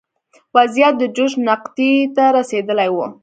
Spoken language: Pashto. وضعیت د جوش نقطې ته رسېدلی و.